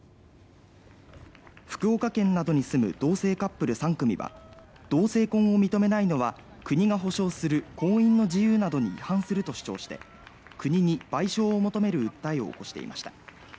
福岡県などに住む同性カップル３組は同性婚を認めないのは国が保障する婚姻の自由などに違反すると主張して国に賠償を求める訴えを起こしていました。